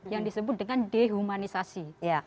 yang disebut dengan dehumanisasi